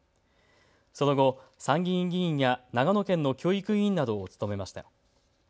その後、参議院議員や長野県の教育委員などを務めました。